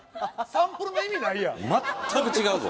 「サンプルの意味ないやん」